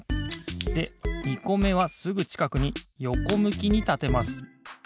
で２こめはすぐちかくによこむきにたてます。